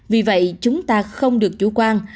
vì vậy chúng ta không được chủ quan